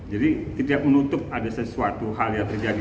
jadi tidak menutup ada sesuatu hal yang terjadi